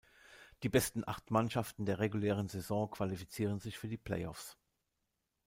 Die besten acht Mannschaften der regulären Saison qualifizieren sich für die "Play-Offs".